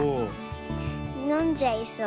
のんじゃいそう。